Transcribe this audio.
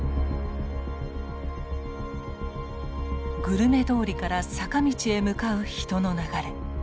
グルメ通りから坂道へ向かう人の流れ。